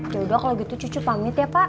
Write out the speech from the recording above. yaudah kalau gitu cucu pamit ya pak